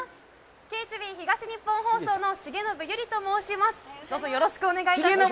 ＫＨＢ東日本放送の重信友里と申します。